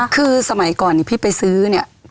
คือสมัยก่อนพี่ไปซื้อเนี่ย